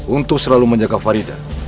untuk selalu menjaga farida